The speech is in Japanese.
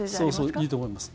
いいと思います。